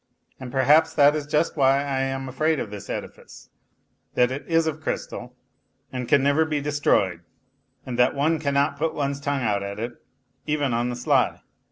And perhaps that is just why I am afraid of this edifice, that it is of crystal and^can never be NOTES FROM UNDERGROUND 77 destroyed and that one cannot put one's tongue out at it even on the sly.